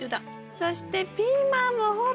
そしてピーマンもほら！